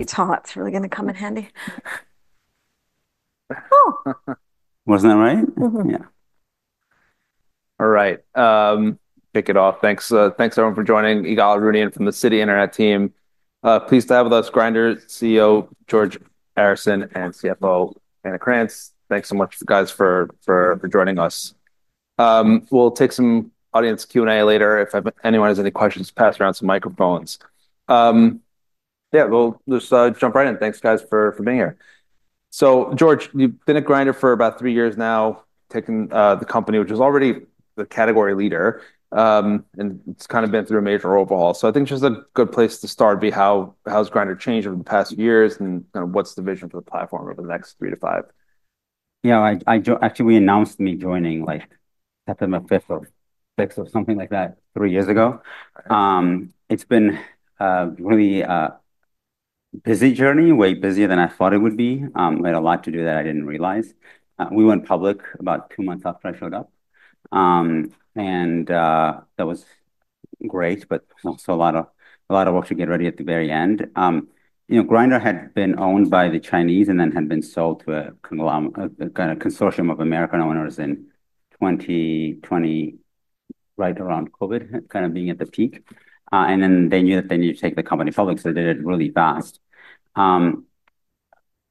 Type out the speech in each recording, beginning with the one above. If it's hot, it's really going to come in handy. Wasn't that right? Yeah. All right. Kick it off. Thanks. Thanks everyone for joining. You got all rooting in from the Citi Internet team. Pleased to have with us Grindr CEO George Arison and CFO Vanna Krantz. Thanks so much, guys, for joining us. We'll take some audience Q&A later if anyone has any questions. Pass around some microphones. Yeah, we'll just jump right in. Thanks, guys, for being here. George, you've been at Grindr for about three years now, taking the company, which is already the category leader, and it's kind of been through a major overhaul. I think it's just a good place to start. How has Grindr changed over the past few years and kind of what's the vision for the platform over the next three to five? Yeah, I actually, we announced me joining like September 5th or 6th or something like that three years ago. It's been a really busy journey, way busier than I thought it would be. We had a lot to do that I didn't realize. We went public about two months after I showed up, and that was great, but also a lot of work to get ready at the very end. You know, Grindr had been owned by the Chinese and then had been sold to a consortium of American owners in 2020, right around COVID, kind of being at the peak. They knew that they needed to take the company public, so they did it really fast.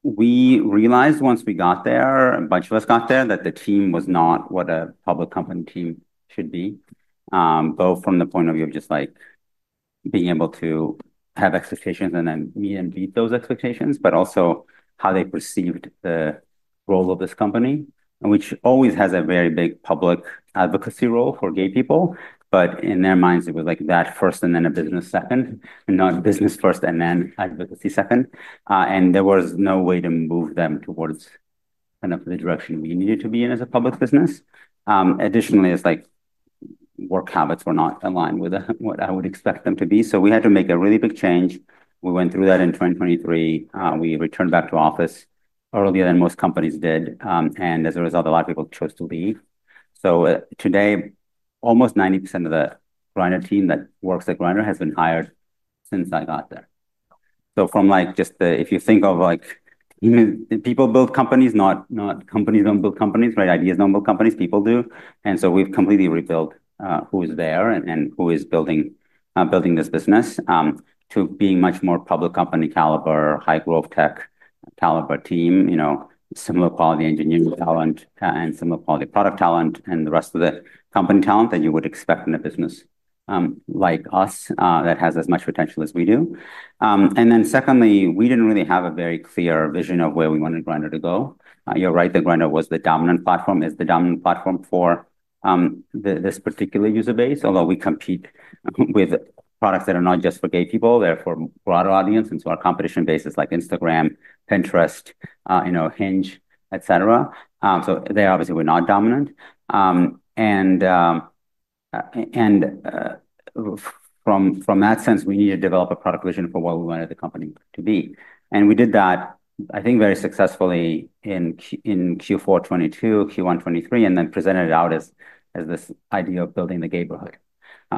We realized once we got there, a bunch of us got there, that the team was not what a public company team should be, both from the point of view of just like being able to have expectations and then meet and meet those expectations, but also how they perceived the role of this company, which always has a very big public advocacy role for gay people. In their minds, it was like that first and then a business second, and not a business first and then advocacy second. There was no way to move them towards kind of the direction we needed to be in as a public business. Additionally, it's like work habits were not aligned with what I would expect them to be. We had to make a really big change. We went through that in 2023. We returned back to office earlier than most companies did, and as a result, a lot of people chose to leave. Today, almost 90% of the Grindr team that works at Grindr has been hired since I got there. If you think of like even people build companies, not companies don't build companies, right? Ideas don't build companies, people do. We've completely rebuilt who is there and who is building this business, to being much more public company caliber, high growth tech caliber team, you know, similar quality engineering talent and similar quality product talent and the rest of the company talent that you would expect from the business, like us, that has as much potential as we do. Secondly, we didn't really have a very clear vision of where we wanted Grindr to go. You're right that Grindr was the dominant platform, is the dominant platform for this particular user base, although we compete with products that are not just for gay people, they're for a broader audience. Our competition bases like Instagram, Pinterest, you know, Hinge, etc. They obviously were not dominant. From that sense, we needed to develop a product vision for what we wanted the company to be. We did that, I think, very successfully in Q4 2022, Q1 2023, and then presented it out as this idea of building the gay brotherhood,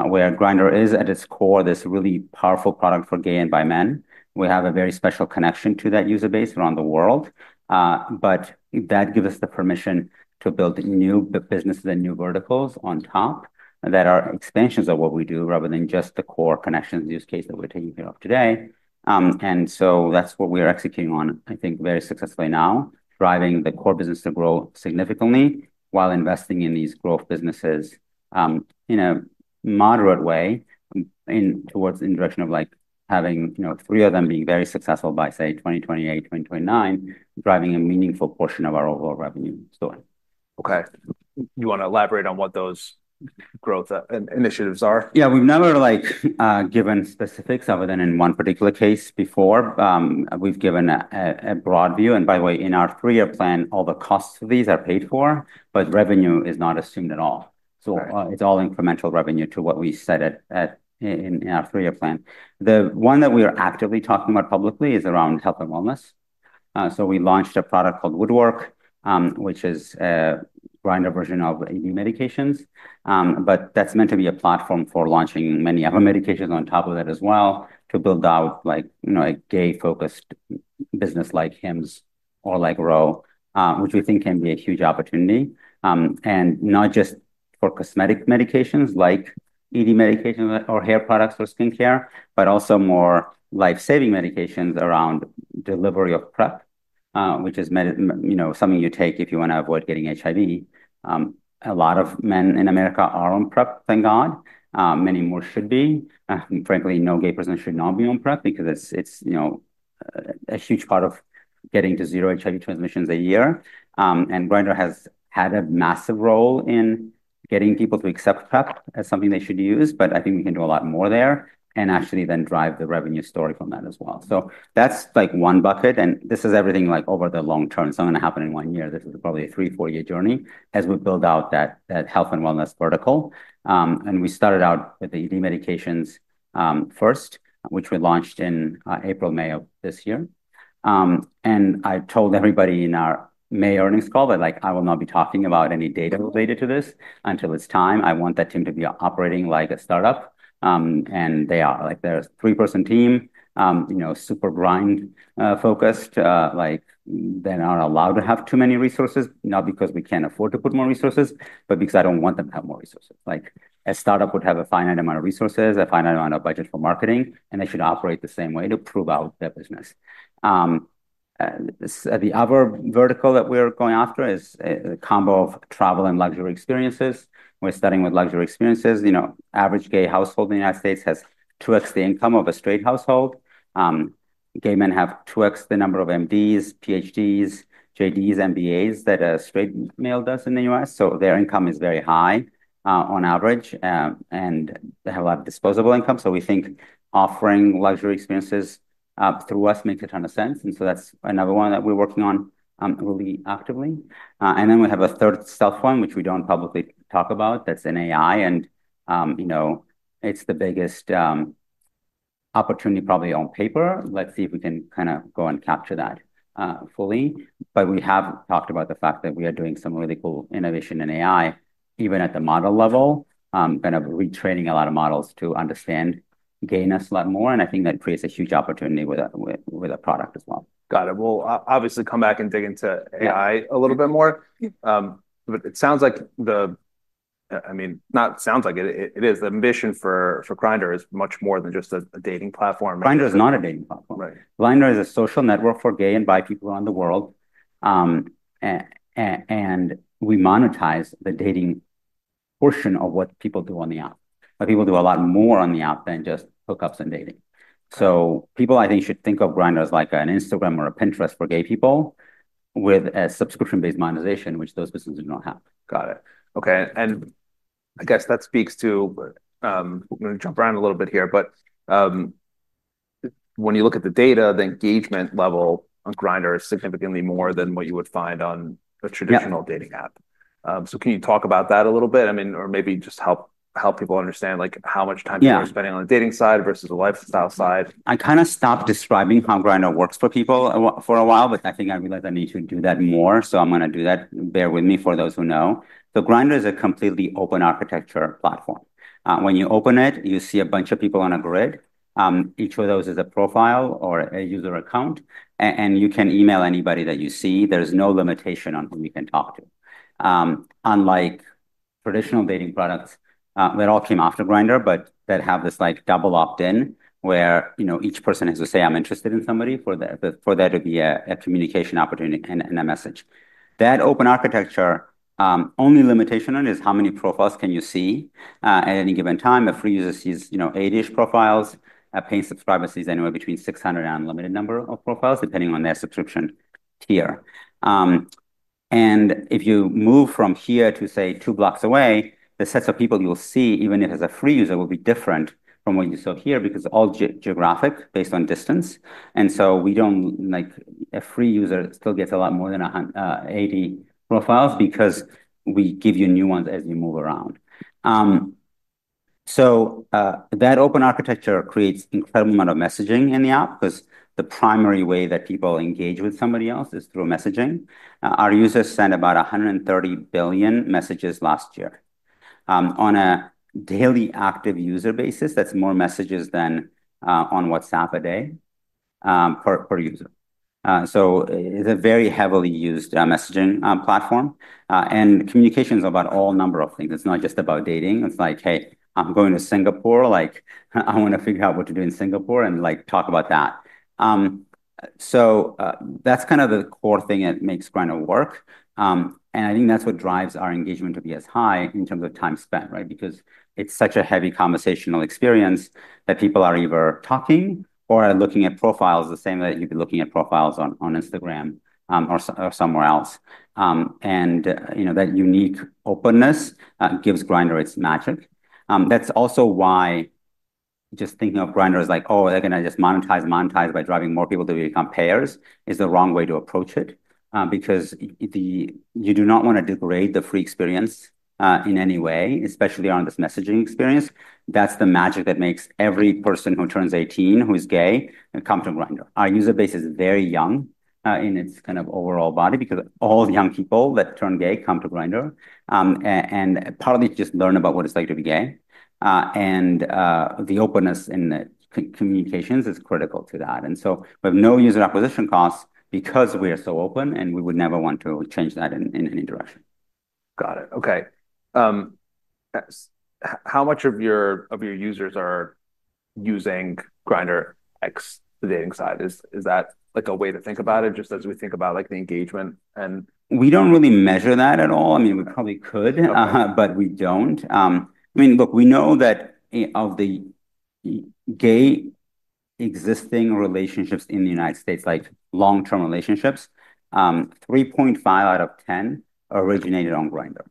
where Grindr is at its core, this really powerful product for gay and bi- men. We have a very special connection to that user base around the world. That gives us the permission to build new businesses and new verticals on top that are expansions of what we do rather than just the core connections and use case that we're taking care of today. That's what we're executing on, I think, very successfully now, driving the core business to grow significantly while investing in these growth businesses in a moderate way, towards the direction of having, you know, three of them being very successful by, say, 2028, 2029, driving a meaningful portion of our overall revenue story. Okay. You want to elaborate on what those growth initiatives are? Yeah, we've never given specifics other than in one particular case before. We've given a broad view, and by the way, in our three-year plan, all the costs of these are paid for, but revenue is not assumed at all. It's all incremental revenue to what we set in our three-year plan. The one that we are actively talking about publicly is around Health and Wellness. We launched a product called Woodwork, which is a Grindr version of ED medications. That's meant to be a platform for launching many other medications on top of it as well, to build out a gay-focused business like Hims or like To, which we think can be a huge opportunity. Not just for cosmetic medications like ED medications or hair products or skincare, but also more life-saving medications around delivery of PrEP, which is something you take if you want to avoid getting HIV. A lot of men in America are on PrEP, thank God. Many more should be. Frankly, no gay person should not be on PrEP because it's a huge part of getting to zero HIV transmissions a year. Grindr has had a massive role in getting people to accept PrEP as something they should use. I think we can do a lot more there and actually then drive the revenue story from that as well. That's one bucket, and this is everything over the long- term. It's not going to happen in one year. This is probably a three or four-year journey as we build out that health and wellness vertical. We started out with the ED medications first, which we launched in April or May of this year. I told everybody in our May earnings call that I will not be talking about any data related to this until it's time. I want that team to be operating like a startup, and they are. They're a three-person team, super grind-focused. They're not allowed to have too many resources, not because we can't afford to put more resources, but because I don't want them to have more resources. A startup would have a finite amount of resources, a finite amount of budget for marketing, and they should operate the same way to prove out their business. The other vertical that we're going after is a combo of travel and luxury experiences. We're starting with luxury experiences. The average gay household in the United States has 2x the income of a straight household. Gay men have 2x the number of MDs, PhDs, JDs, MBAs that a straight male does in the U.S. Their income is very high, on average, and they have a lot of disposable income. We think offering luxury experiences through us makes a ton of sense. That's another one that we're working on really actively. We have a third stealth form, which we don't publicly talk about, that's in AI. It's the biggest opportunity probably on paper. Let's see if we can kind of go and capture that fully. We have talked about the fact that we are doing some really cool innovation in AI, even at the model level, kind of retraining a lot of models to understand gayness a lot more. I think that creates a huge opportunity with a product as well. Got it. We'll obviously come back and dig into AI a little bit more, but it sounds like, I mean, not sounds like it, it is the mission for Grindr is much more than just a dating platform. Grindr is not a dating platform. Grindr is a social network for gay and bi people around the world, and we monetize the dating portion of what people do on the app. People do a lot more on the app than just hookups and dating. People, I think, should think of Grindr as like an Instagram or a Pinterest for gay people with a subscription-based monetization, which those businesses do not have. Got it. Okay. I guess that speaks to, I'm going to jump around a little bit here, but when you look at the data, the engagement level on Grindr is significantly more than what you would find on a traditional dating app. Can you talk about that a little bit? I mean, or maybe just help people understand like how much time you're spending on the dating side versus the lifestyle side. I kind of stopped describing how Grindr works for people for a while, but I think I realized I need to do that more. I'm going to do that. Bear with me for those who know. Grindr is a completely open architecture platform. When you open it, you see a bunch of people on a grid. Each of those is a profile or a user account, and you can email anybody that you see. There's no limitation on who you can talk to, unlike traditional dating products that all came after Grindr, but that have this double opt-in where, you know, each person has to say, "I'm interested in somebody," for there to be a communication opportunity and a message. That open architecture, only limitation on it is how many profiles can you see at any given time. A free user sees, you know, eight-ish profiles. A paid subscriber sees anywhere between 600 and an unlimited number of profiles, depending on their subscription tier. If you move from here to, say, two blocks away, the sets of people you'll see, even if it is a free user, will be different from what you saw here because it's all geographic based on distance. We don't, like a free user still gets a lot more than 180 profiles because we give you new ones as you move around. That open architecture creates an incredible amount of messaging in the app because the primary way that people engage with somebody else is through messaging. Our users sent about 130 billion messages last year. On a daily active user basis, that's more messages than on WhatsApp a day, per user. It's a very heavily used messaging platform, and the communication is about all number of things. It's not just about dating. It's like, "Hey, I'm going to Singapore. I want to figure out what to do in Singapore and talk about that." That's kind of the core thing that makes Grindr work. I think that's what drives our engagement to be as high in terms of time spent, right? Because it's such a heavy conversational experience that people are either talking or are looking at profiles the same that you'd be looking at profiles on Instagram, or somewhere else. That unique openness gives Grindr its magic. That's also why just thinking of Grindr as like, "Oh, they're going to just monetize and monetize by driving more people to become payers," is the wrong way to approach it because you do not want to degrade the free experience in any way, especially on this messaging experience. That's the magic that makes every person who turns 18, who is gay, come to Grindr. Our user base is very young in its kind of overall body because all young people that turn gay come to Grindr. Part of it is just learn about what it's like to be gay. The openness in the communications is critical to that. We have no user acquisition costs because we are so open, and we would never want to change that in any direction. Got it. Okay. How much of your users are using Grindr, the dating side? Is that like a way to think about it, just as we think about the engagement? We don't really measure that at all. I mean, we probably could, but we don't. Look, we know that of the gay existing relationships in the U.S., like long-term relationships, 3.5 out of 10 originated on Grindr.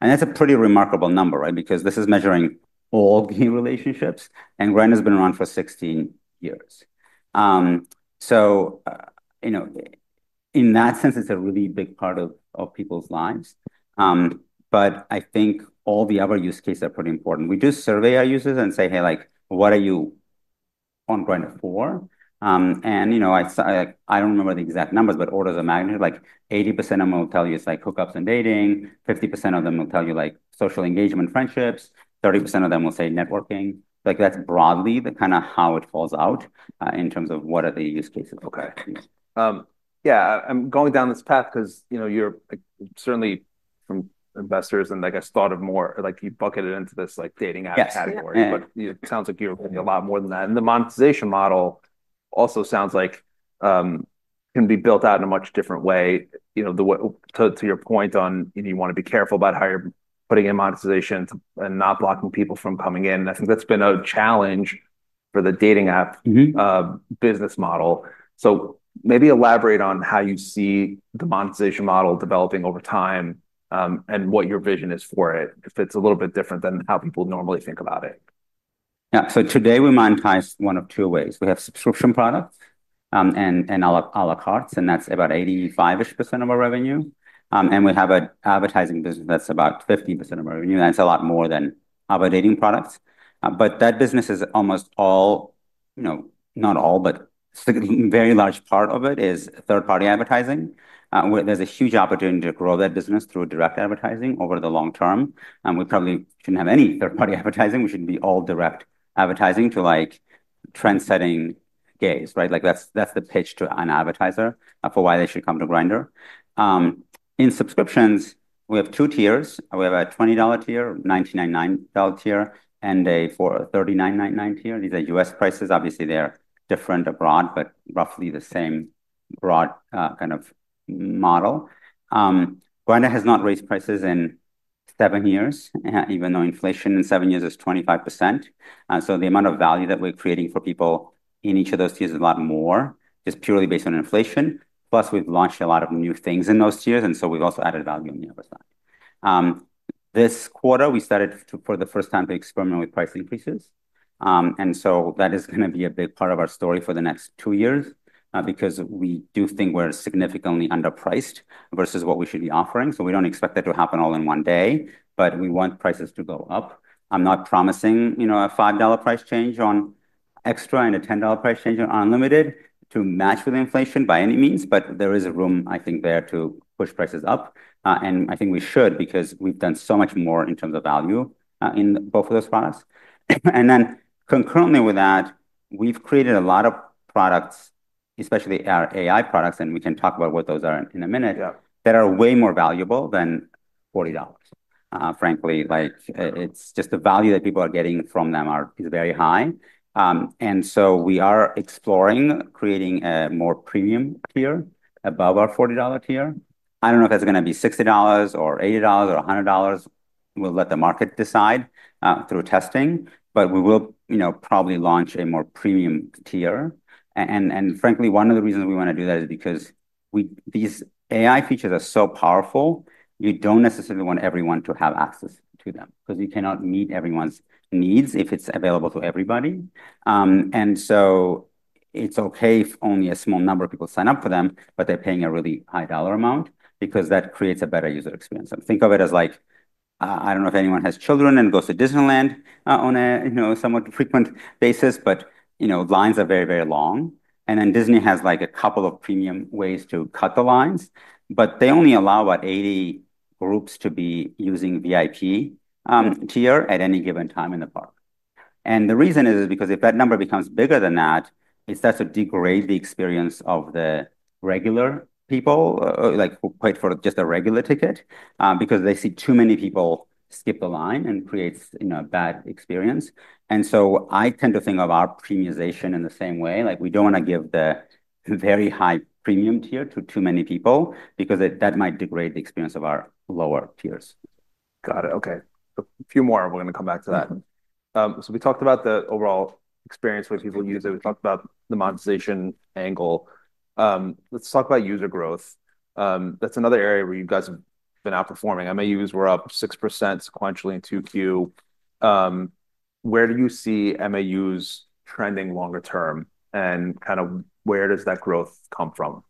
That's a pretty remarkable number, right? This is measuring all gay relationships, and Grindr has been around for 16 years. In that sense, it's a really big part of people's lives. I think all the other use cases are pretty important. We do survey our users and say, "Hey, like what are you on Grindr for?" I don't remember the exact numbers, but orders of magnitude, like 80% of them will tell you it's like hookups and dating. 50% of them will tell you like social engagement, friendships. 30% of them will say networking. That's broadly kind of how it falls out in terms of what are the use cases. Okay. Yeah, I'm going down this path because, you know, certainly from investors, and I guess thought of more like you bucketed into this dating app category, but it sounds like you're a lot more than that. The monetization model also sounds like it can be built out in a much different way. To your point, you want to be careful about how you're putting in monetization and not blocking people from coming in. I think that's been a challenge for the dating app business model. Maybe elaborate on how you see the monetization model developing over time and what your vision is for it, if it's a little bit different than how people normally think about it. Yeah. Today we monetize one of two ways. We have subscription products and à la carte, and that's about 85% of our revenue. We have an advertising business that's about 15% of our revenue. That's a lot more than other dating products. That business is almost all, you know, not all, but a very large part of it is third-party advertising. There's a huge opportunity to grow that business through direct advertising over the long- term. We probably shouldn't have any third-party advertising. We should be all direct advertising to trend-setting gays, right? That's the pitch to an advertiser for why they should come to Grindr. In subscriptions, we have two tiers. We have a $20 tier, $99.99 tier, and a $39.99 tier. These are U.S. prices. Obviously, they're different abroad, but roughly the same broad kind of model. Grindr has not raised prices in seven years, even though inflation in seven years is 25%. The amount of value that we're creating for people in each of those tiers is a lot more. It's purely based on inflation. Plus, we've launched a lot of new things in those tiers, and we've also added value in the other side. This quarter, we started for the first time to experiment with price increases. That is going to be a big part of our story for the next two years because we do think we're significantly underpriced versus what we should be offering. We don't expect that to happen all in one day, but we want prices to go up. I'm not promising, you know, a $5 price change on extra and a $10 price change on unlimited to match with inflation by any means, but there is room, I think, there to push prices up. I think we should because we've done so much more in terms of value in both of those products. Concurrently with that, we've created a lot of products, especially our AI products, and we can talk about what those are in a minute, that are way more valuable than $40. Frankly, the value that people are getting from them is very high, and we are exploring creating a more premium tier above our $40 tier. I don't know if that's going to be $60 or $80 or $100. We'll let the market decide through testing, but we will probably launch a more premium tier. Frankly, one of the reasons we want to do that is because these AI features are so powerful, you don't necessarily want everyone to have access to them because you cannot meet everyone's needs if it's available to everybody. It's okay if only a small number of people sign up for them, but they're paying a really high dollar amount because that creates a better user experience. Think of it as like, I don't know if anyone has children and goes to Disneyland on a somewhat frequent basis, but lines are very, very long. Disney has a couple of premium ways to cut the lines, but they only allow about 80 groups to be using VIP- tier at any given time in the park. The reason is because if that number becomes bigger than that, it starts to degrade the experience of the regular people, like who paid for just a regular ticket, because they see too many people skip the line and it creates a bad experience. I tend to think of our premiumization in the same way. We don't want to give the very high premium tier to too many people because that might degrade the experience of our lower tiers. Got it. Okay. A few more. We're going to come back to that. We talked about the overall experience for people to use it. We talked about the monetization angle. Let's talk about user growth. That's another area where you guys have been outperforming. MAUs were up 6% sequentially in Q2. Where do you see MAUs trending longer- term? Where does that growth come from?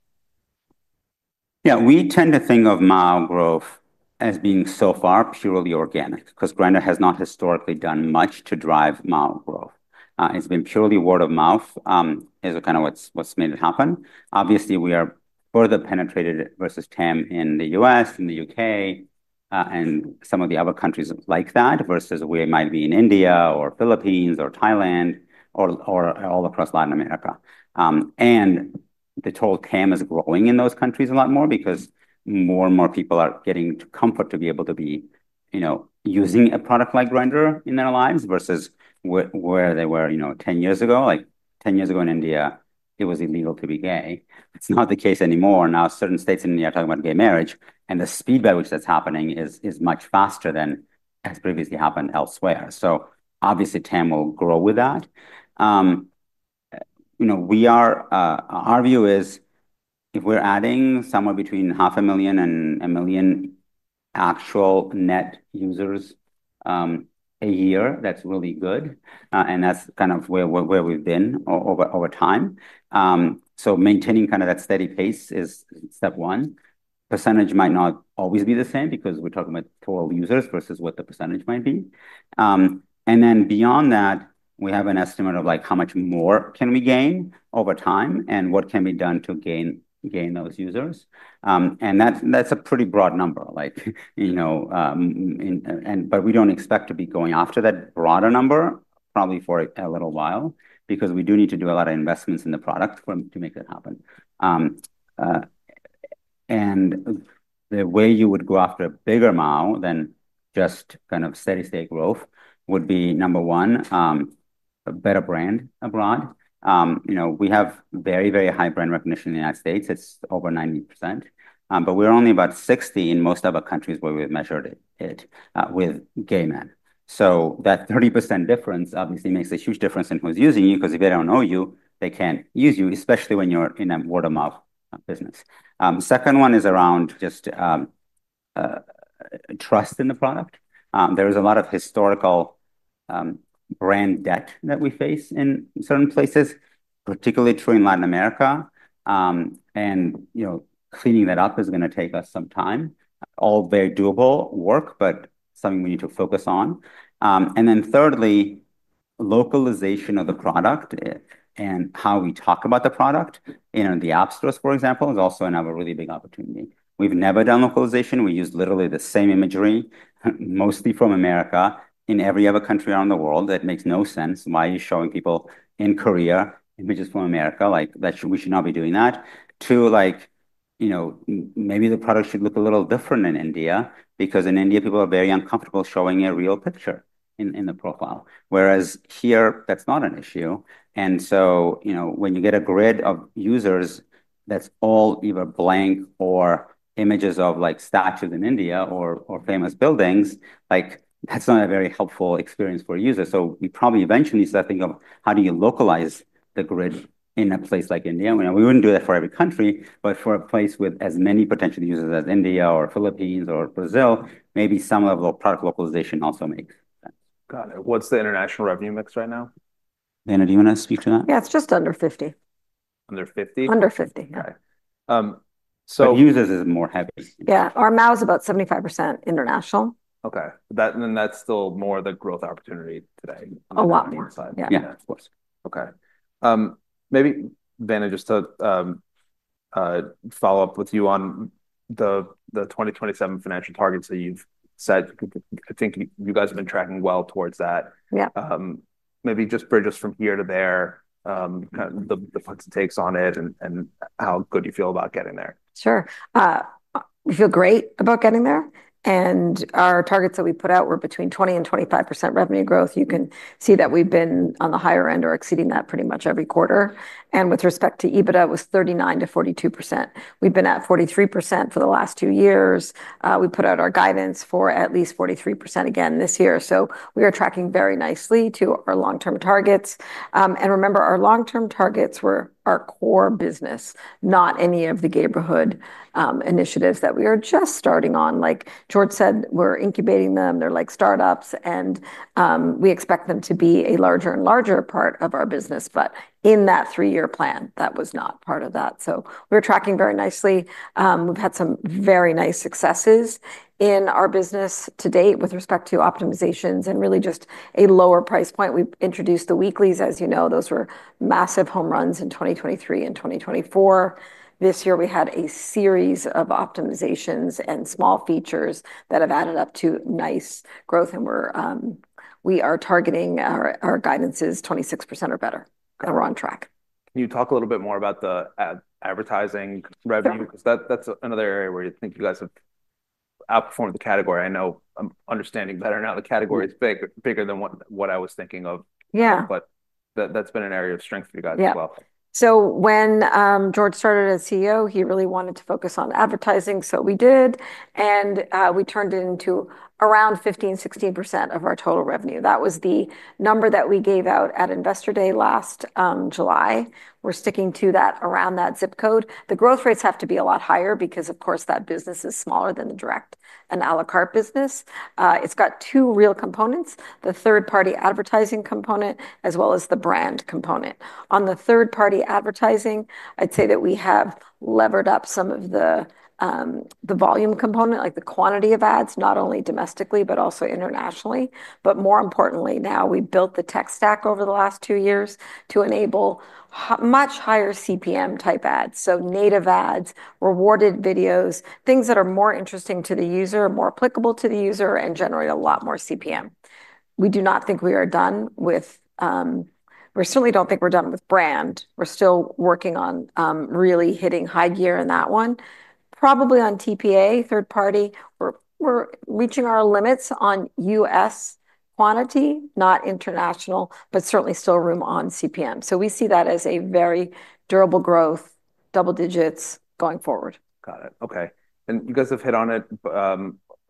Yeah, we tend to think of MAU growth as being so far purely organic because Grindr has not historically done much to drive MAU growth. It's been purely word of mouth as kind of what's made it happen. Obviously, we are further penetrated versus TAM in the U.S., in the U.K., and some of the other countries like that versus we might be in India or Philippines or Thailand or all across Latin America. The total TAM is growing in those countries a lot more because more and more people are getting comfort to be able to be, you know, using a product like Grindr in their lives versus where they were, you know, 10 years ago. Like 10 years ago in India, it was illegal to be gay. It's not the case anymore. Now certain states in India are talking about gay marriage. The speed by which that's happening is much faster than has previously happened elsewhere. Obviously, TAM will grow with that. Our view is if we're adding somewhere between 500,000 and 1 million actual net users a year, that's really good. That's kind of where we've been over time. Maintaining kind of that steady pace is step one. Percentage might not always be the same because we're talking about total users versus what the percentage might be. Beyond that, we have an estimate of like how much more can we gain over time and what can be done to gain those users. That's a pretty broad number, like, you know, but we don't expect to be going after that broader number probably for a little while because we do need to do a lot of investments in the product to make that happen. The way you would go after a bigger MAU than just kind of steady state growth would be, number one, a better brand abroad. We have very, very high brand recognition in the United States. It's over 90%. We're only about 60% in most other countries where we've measured it with gay men. That 30% difference obviously makes a huge difference in who's using you because if they don't know you, they can't use you, especially when you're in a word-of-mouth business. The second one is around just trust in the product. There is a lot of historical brand debt that we face in certain places, particularly true in Latin America. Cleaning that up is going to take us some time. All very doable work, but something we need to focus on. Thirdly, localization of the product and how we talk about the product in the app stores, for example, is also another really big opportunity. We've never done localization. We use literally the same imagery, mostly from America, in every other country around the world. That makes no sense. Why are you showing people in Korea images from America? We should not be doing that. Maybe the product should look a little different in India because in India, people are very uncomfortable showing a real picture in the profile, whereas here, that's not an issue. When you get a grid of users that's all either blank or images of statues in India or famous buildings, that's not a very helpful experience for users. You probably eventually need to think of how do you localize the grid in a place like India. We wouldn't do that for every country, but for a place with as many potential users as India or Philippines or Brazil, maybe some level of product localization also makes sense. Got it. What's the international revenue mix right now? Vanna, do you want to speak to that? Yeah, it's just under 50%. Under 50%? Under 50%, yeah. Okay. The users is more heavy. Yeah, our MAU is about 75% international. That's still more the growth opportunity today on the one side. Yeah, of course. Okay, maybe then just to follow up with you on the 2027 financial targets that you've set. I think you guys have been tracking well towards that. Yeah. Maybe just bridge us from here to there, kind of the foot it takes on it and how good you feel about getting there. Sure. We feel great about getting there. Our targets that we put out were between 20% and 25% revenue growth. You can see that we've been on the higher end or exceeding that pretty much every quarter. With respect to EBITDA, it was 39%- 42%. We've been at 43% for the last two years. We put out our guidance for at least 43% again this year. We are tracking very nicely to our long-term targets. Remember, our long-term targets were our core business, not any of the gay neighborhood initiatives that we are just starting on. Like George said, we're incubating them. They're like startups. We expect them to be a larger and larger part of our business. In that three-year plan, that was not part of that. We're tracking very nicely. We've had some very nice successes in our business to date with respect to optimizations and really just a lower price point. We introduced the weeklies, as you know. Those were massive home runs in 2023 and 2024. This year, we had a series of optimizations and small features that have added up to nice growth. We are targeting our guidance is 26% or better, and we're on track. Can you talk a little bit more about the advertising revenue? Because that's another area where you think you guys have outperformed the category. I know I'm understanding better now. The category is bigger than what I was thinking of. Yeah. That has been an area of strength for you guys as well. Yeah. When George started as CEO, he really wanted to focus on advertising. We did, and we turned it into around 15%- 16% of our total revenue. That was the number that we gave out at Investor Day last July. We're sticking to around that zip code. The growth rates have to be a lot higher because, of course, that business is smaller than the direct and à la carte business. It's got two real components: the third-party advertising component, as well as the brand component. On the third-party advertising, I'd say that we have levered up some of the volume component, like the quantity of ads, not only domestically, but also internationally. More importantly, now we've built the tech stack over the last two years to enable much higher CPM-type ads. Native ads, rewarded videos, things that are more interesting to the user, more applicable to the user, and generate a lot more CPM. We do not think we are done with, we certainly don't think we're done with brand. We're still working on really hitting high gear in that one. Probably on TPA, third- party, we're reaching our limits on U.S. quantity, not international, but certainly still room on CPM. We see that as a very durable growth, double digits going forward. Got it. Okay. You guys have hit on it a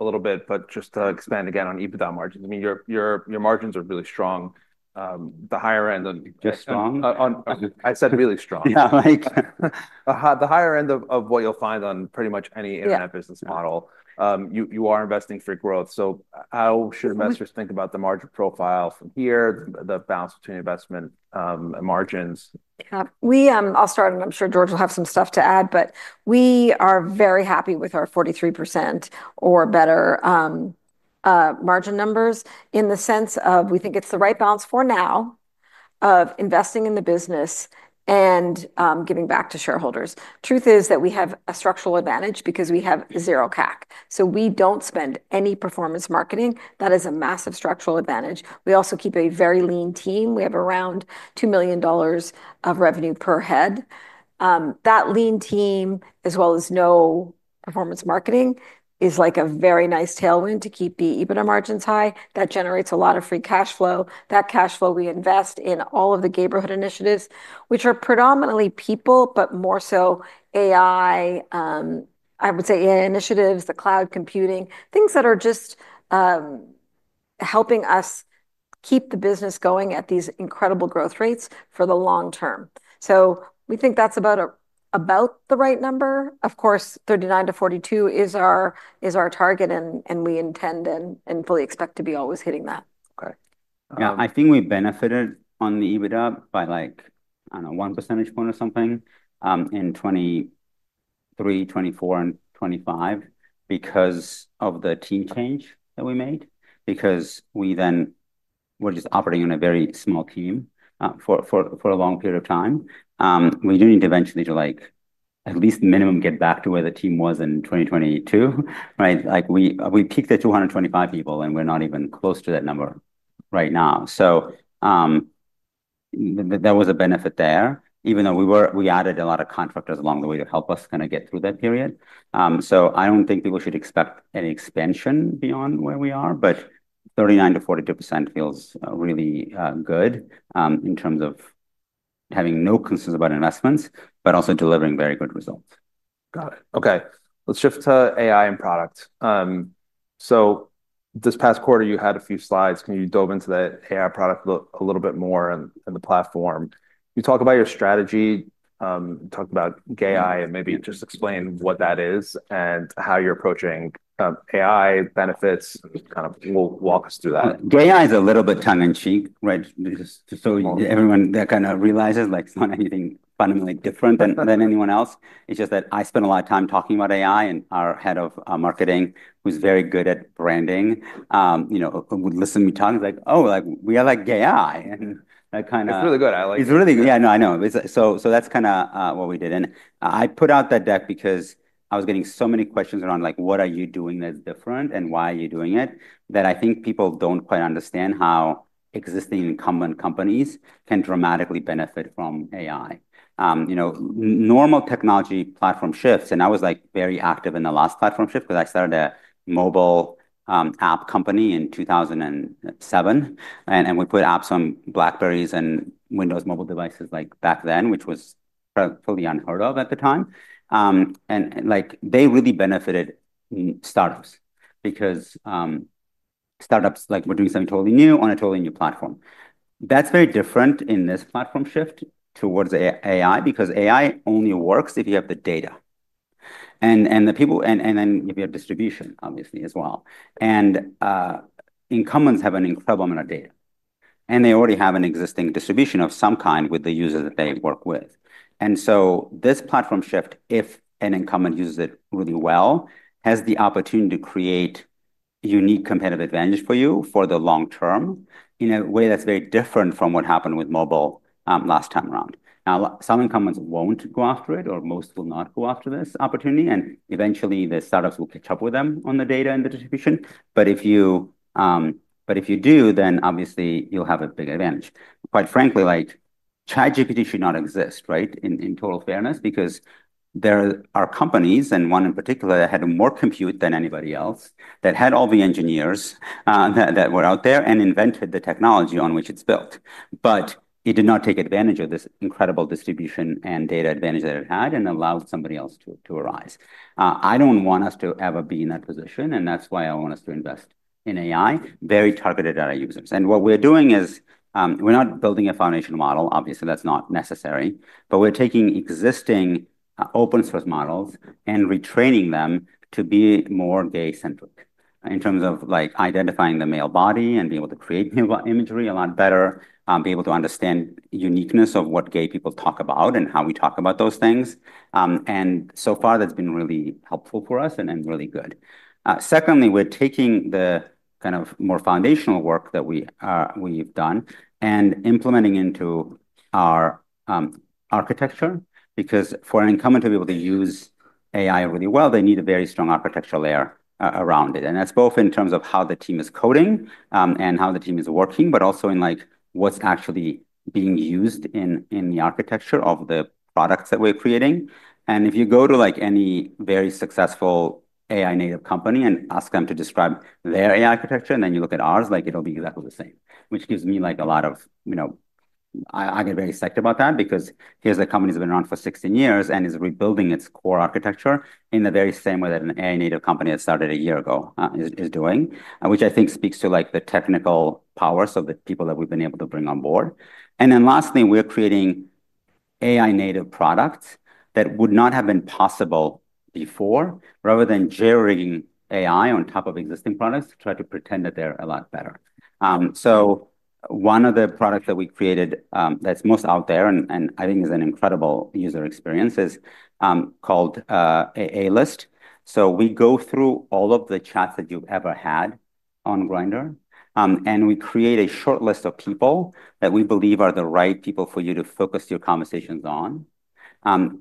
little bit, just to expand again on EBITDA margins. I mean, your margins are really strong, the higher end. Just strong? I said really strong. Yeah, like the higher end of what you'll find on pretty much any internet business model. You are investing for growth. How should investors think about the margin profile from here, the balance between investment and margins? Yeah, I'll start, and I'm sure George will have some stuff to add, but we are very happy with our 43% or better margin numbers in the sense of we think it's the right balance for now of investing in the business and giving back to shareholders. The truth is that we have a structural advantage because we have zero CAC. We don't spend any performance marketing. That is a massive structural advantage. We also keep a very lean team. We have around $2 million of revenue per head. That lean team, as well as no performance marketing, is like a very nice tailwind to keep the EBITDA margins high. That generates a lot of free cash flow. That cash flow we invest in all of the neighborhood initiatives, which are predominantly people, but more so AI, I would say AI initiatives, the cloud computing, things that are just helping us keep the business going at these incredible growth rates for the long- term. We think that's about the right number. Of course, 39%- 42% is our target, and we intend and fully expect to be always hitting that. Okay. Yeah, I think we benefited on the EBITDA by, like, I don't know, one percentage point or something, in 2023, 2024, and 2025 because of the team change that we made, because we then were just operating in a very small team for a long period of time. We do need to eventually, at least minimum, get back to where the team was in 2022, right? Like, we peaked at 225 people, and we're not even close to that number right now. That was a benefit there, even though we added a lot of contractors along the way to help us kind of get through that period. I don't think people should expect any expansion beyond where we are, but 39%- 42% feels really good, in terms of having no concerns about investments, but also delivering very good results. Got it. Okay. Let's shift to AI and product. This past quarter, you had a few slides. Can you delve into the AI product a little bit more and the platform? You talk about your strategy, talk about Gay AI, and maybe just explain what that is and how you're approaching AI benefits. Kind of walk us through that. Gay AI is a little bit tongue in cheek, right? Just so everyone that kind of realizes, like it's not anything fundamentally different than anyone else. It's just that I spend a lot of time talking about AI, and our Head of Marketing, who's very good at branding, would listen to me talk. He's like, "Oh, like we have like Gay AI." And that kind of. It's really good. I like it. It's really good. Yeah, no, I know. That's kind of what we did. I put out that deck because I was getting so many questions around like, "What are you doing that's different and why are you doing it?" I think people don't quite understand how existing incumbent companies can dramatically benefit from AI. You know, normal technology platform shifts. I was very active in the last platform shift because I started a mobile app company in 2007. We put apps on BlackBerrys and Windows mobile devices back then, which was fully unheard of at the time. They really benefited startups because startups were doing something totally new on a totally new platform. That's very different in this platform shift towards AI because AI only works if you have the data, the people, and then if you have distribution, obviously, as well. Incumbents have an incredible amount of data. They already have an existing distribution of some kind with the user that they work with. This platform shift, if an incumbent uses it really well, has the opportunity to create a unique competitive advantage for you for the long- term in a way that's very different from what happened with mobile last time around. Some incumbents won't go after it or most will not go after this opportunity. Eventually, the startups will catch up with them on the data and the distribution. If you do, then obviously you'll have a big advantage. Quite frankly, like ChatGPT should not exist, right, in total fairness because there are companies, and one in particular that had more compute than anybody else, that had all the engineers that were out there and invented the technology on which it's built. It did not take advantage of this incredible distribution and data advantage that it had and allowed somebody else to arise. I don't want us to ever be in that position, and that's why I want us to invest in AI, very targeted at our users. What we're doing is, we're not building a foundation model. Obviously, that's not necessary. We're taking existing open-source models and retraining them to be more gay-centric in terms of identifying the male body and being able to create male imagery a lot better, being able to understand the uniqueness of what gay people talk about and how we talk about those things. So far, that's been really helpful for us and really good. Secondly, we're taking the kind of more foundational work that we've done and implementing it into our architecture because for an incumbent to be able to use AI really well, they need a very strong architectural layer around it. That's both in terms of how the team is coding and how the team is working, but also in what's actually being used in the architecture of the products that we're creating. If you go to any very successful AI-native company and ask them to describe their AI architecture, and then you look at ours, it'll be exactly the same, which gives me a lot of, you know, I get very psyched about that because here's a company that's been around for 16 years and is rebuilding its core architecture in the very same way that an AI-native company that started a year ago is doing, which I think speaks to the technical powers of the people that we've been able to bring on board. Lastly, we're creating AI-native products that would not have been possible before, rather than generating AI on top of existing products to try to pretend that they're a lot better. One of the products that we created that's most out there, and I think is an incredible user experience, is called A-List. We go through all of the chats that you've ever had on Grindr and we create a short list of people that we believe are the right people for you to focus your conversations on,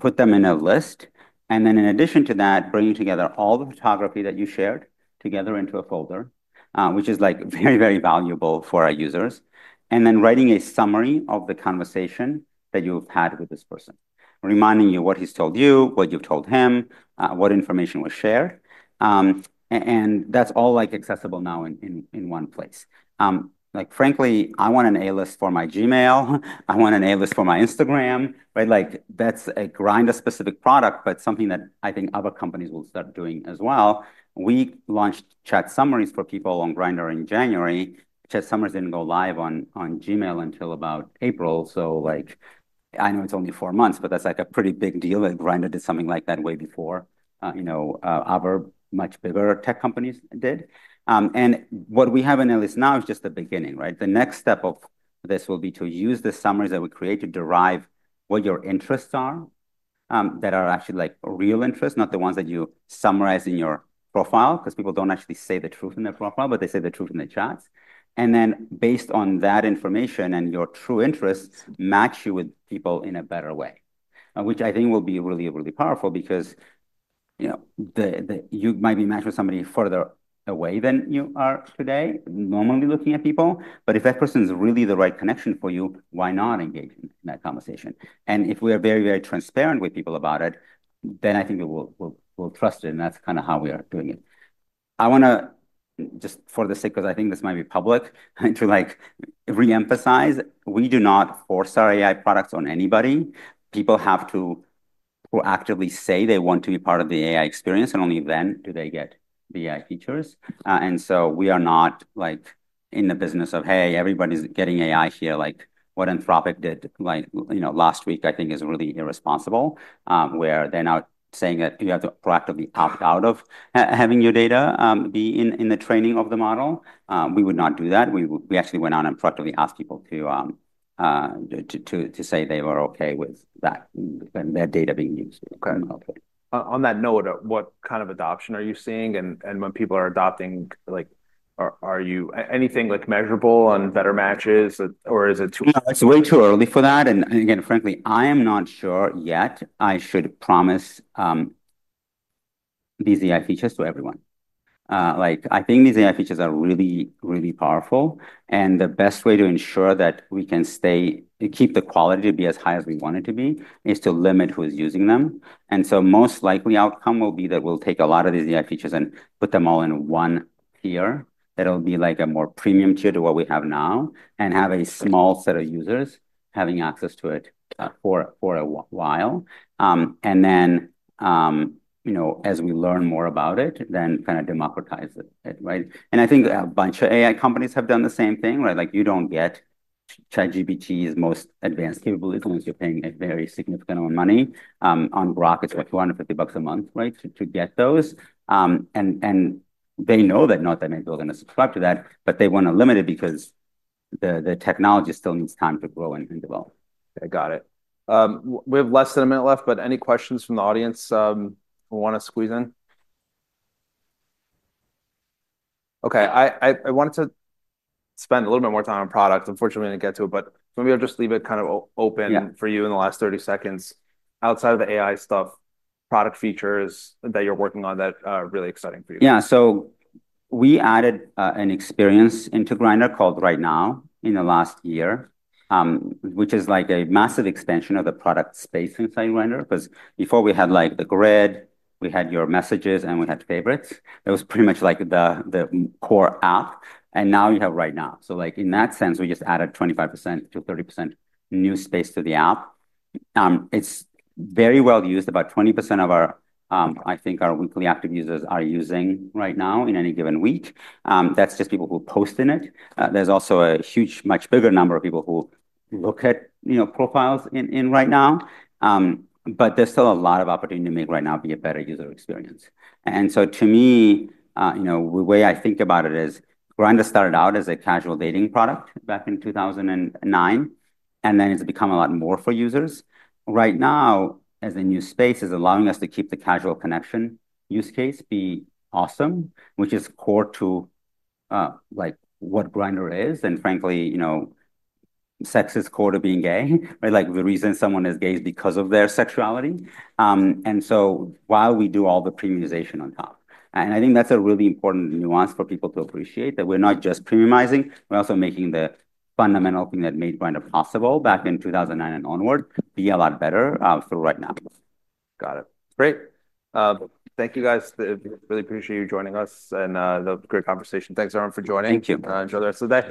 put them in a list. In addition to that, bringing together all the photography that you shared together into a folder, which is very, very valuable for our users, and then writing a summary of the conversation that you've had with this person, reminding you what he's told you, what you've told him, what information was shared. That's all accessible now in one place. Frankly, I want an A-List for my Gmail. I want an A-List for my Instagram, right? That's a Grindr-specific product, but something that I think other companies will start doing as well. We launched Chat Summaries for people on Grindr in January. Chat Summaries didn't go live on Gmail until about April. I know it's only four months, but that's a pretty big deal that Grindr did something like that way before other much bigger tech companies did. What we have in our list now is just the beginning, right? The next step of this will be to use the summaries that we create to derive what your interests are, that are actually like real interests, not the ones that you summarize in your profile, because people don't actually say the truth in their profile, but they say the truth in their chats. Based on that information and your true interests, match you with people in a better way, which I think will be really, really powerful because, you know, you might be matched with somebody further away than you are today normally looking at people. If that person is really the right connection for you, why not engage in that conversation? If we are very, very transparent with people about it, then I think they will trust it. That's kind of how we are doing it. I want to just for the sake of I think this might be public to like re-emphasize, we do not force our AI products on anybody. People have to proactively say they want to be part of the AI experience, and only then do they get the AI features. We are not like in the business of, "hey, everybody's getting AI here." Like what Anthropic did, like, you know, last week, I think is really irresponsible, where they're now saying that you have to proactively opt out of having your data be in the training of the model. We would not do that. We actually went on and proactively asked people to say they were okay with that and their data being used. Okay. On that note, what kind of adoption are you seeing? When people are adopting, are you anything like measurable on better matches, or is it too early? No, it's way too early for that. Frankly, I am not sure yet I should promise these AI features to everyone. I think these AI features are really, really powerful. The best way to ensure that we can keep the quality as high as we want it to be is to limit who's using them. The most likely outcome will be that we'll take a lot of these AI features and put them all in one tier. It'll be like a more premium tier to what we have now and have a small set of users having access to it for a while. As we learn more about it, then kind of democratize it, right? I think a bunch of AI companies have done the same thing, right? You don't get ChatGPT's most advanced capabilities unless you're paying a very significant amount of money. On [Roam], it's what, $450 a month, right, to get those. They know that not that many people are going to subscribe to that, but they want to limit it because the technology still needs time to grow and develop. I got it. We have less than a minute left, but any questions from the audience we want to squeeze in? Okay. I wanted to spend a little bit more time on products. Unfortunately, we didn't get to it, but maybe I'll just leave it kind of open for you in the last 30 seconds. Outside of the AI stuff, product features that you're working on that are really exciting for you. Yeah, so we added an experience into Grindr called Right Now in the last year, which is like a massive expansion of the product space inside Grindr. Before, we had the grid, we had your messages, and we had favorites. It was pretty much the core app. Now you have Right Now. In that sense, we just added 25%- 30% new space to the app. It's very well used. About 20% of our, I think, our weekly active users are using Right Now in any given week. That's just people who post in it. There's also a huge, much bigger number of people who look at profiles in Right Now. There's still a lot of opportunity to make Right Now be a better user experience. To me, the way I think about it is Grindr started out as a casual dating product back in 2009, and then it's become a lot more for users. Right Now, as a new space, is allowing us to keep the casual connection use case be awesome, which is core to what Grindr is. Frankly, sex is core to being gay, right? The reason someone is gay is because of their sexuality. While we do all the premiumization on top, I think that's a really important nuance for people to appreciate that we're not just premiumizing, we're also making the fundamental thing that made Grindr possible back in 2009 and onward be a lot better, through Right Now. Got it. Great. Thank you guys. I really appreciate you joining us and the great conversation. Thanks, everyone, for joining. Thank you. Enjoy the rest of the day.